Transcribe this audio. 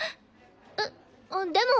えっでも。